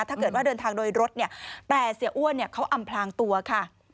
ถ้าเกิดว่าเดินทางโดยรถเนี่ยแต่เสียอ้วนเขาอำพลางตัวค่ะ